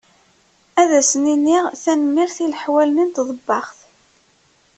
Ad asen-iniɣ tanemmirt i leḥwal-nni n tḍebbaxt.